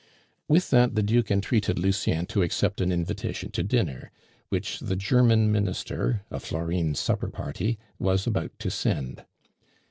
With that the Duke entreated Lucien to accept an invitation to dinner, which the German Minister (of Florine's supper party) was about to send.